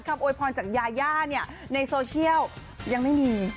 โวยพรจากยาย่าเนี่ยในโซเชียลยังไม่มี